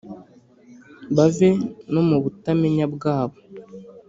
bave no mu butamenya bwabo,